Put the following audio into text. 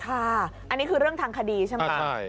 อันนี้คือเรื่องทางคดีใช่มั้ยครับ